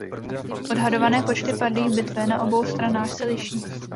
Odhadované počty padlých v bitvě na obou stranách se liší.